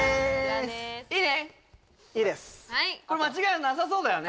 これ間違いなさそうだよね？